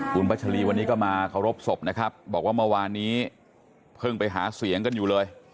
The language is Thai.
คุณพัชรีวันนี้ก็มาเคารพศพนะครับบอกว่าเมื่อวานนี้เพิ่งไปหาเสียงกันอยู่เลย